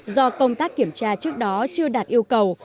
do công tác kiểm tra trước đó chưa đạt yêu cầu